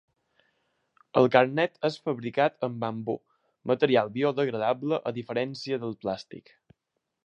El carnet és fabricat amb bambú, material biodegradable, a diferència del plàstic.